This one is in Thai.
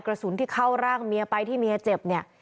กระสุนที่เข้าร่างเมียไปที่เมียเจ็บเนี่ย